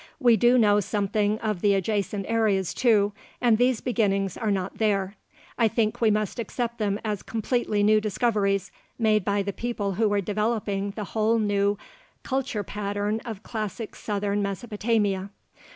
We do know something of the adjacent areas, too, and these beginnings are not there. I think we must accept them as completely new discoveries, made by the people who were developing the whole new culture pattern of classic southern Mesopotamia.